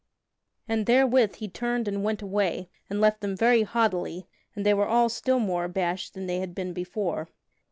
And therewith he turned and went away, and left them very haughtily, and they were all still more abashed than they had been before.